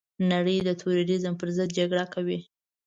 نړۍ د تروريزم پرضد جګړه کوي.